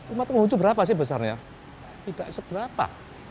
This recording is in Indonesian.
umat konghucu berapa sih besarnya tidak seberapa